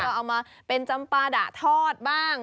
ก็เอามาเป็นจำปาดะทอดบ้าง